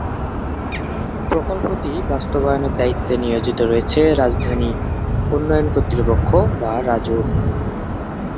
প্রকল্পটি বাস্তবায়নের দায়িত্বে নিয়োজিত রয়েছে রাজধানী উন্নয়ন কর্তৃপক্ষ বা রাজউক।